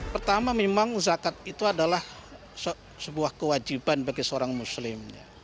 pertama memang zakat itu adalah sebuah kewajiban bagi seorang muslim